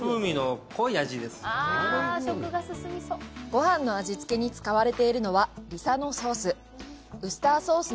ごはんの味付けに使われているのはリサノソース。